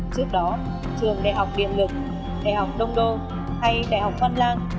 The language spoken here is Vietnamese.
trước đó trường đại học điện lực đại học đông đô hay đại học văn lang